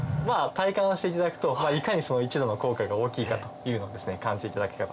体感をしていただくといかに１度の効果が大きいかというのをですね感じていただけたかなと思います。